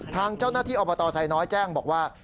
ทางเจ้าหน้าที่อบตไซน้อยแจ้งบอกว่า